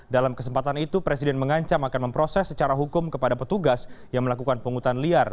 dalam kesempatan itu presiden mengancam akan memproses secara hukum kepada petugas yang melakukan penghutan liar